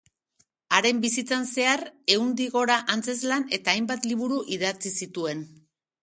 Haren bizitzan zehar, ehundik gora antzezlan eta hainbat liburu idatzi zituen.